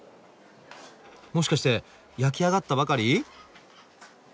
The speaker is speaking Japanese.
もしかして焼き上がったばかり？